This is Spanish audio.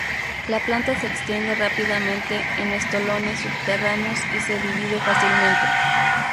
La planta se extiende rápidamente en estolones subterráneos y se divide fácilmente.